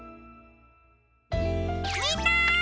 みんな！